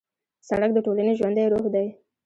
سړک د ټولنې ژوندی روح دی.